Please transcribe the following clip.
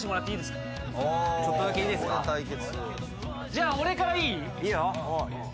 じゃあ俺からいい？